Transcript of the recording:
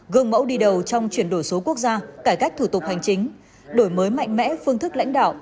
gương mẫu đi đầu trong chuyển đổi số quốc gia cải cách thủ tục hành chính đổi mới mạnh mẽ phương thức lãnh đạo